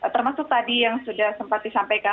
termasuk tadi yang sudah sempat disampaikan